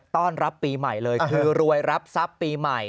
ต้อนรับปีใหม่เลยคือรวยรับทรัพย์ปีใหม่